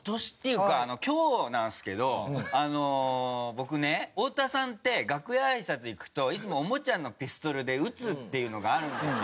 僕ね太田さんって楽屋あいさつ行くといつもおもちゃのピストルで撃つっていうのがあるんですよ。